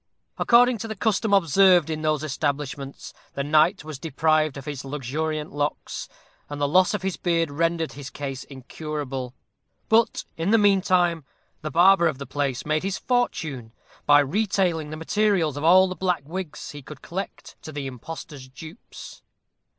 According to the custom observed in those establishments, the knight was deprived of his luxuriant locks, and the loss of his beard rendered his case incurable; but, in the mean time, the barber of the place made his fortune by retailing the materials of all the black wigs he could collect to the impostor's dupes.